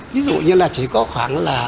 ví dụ như là chỉ có khoảng là